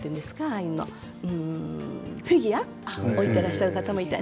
ああいうのうんフィギュア置いてらっしゃる方もいたり。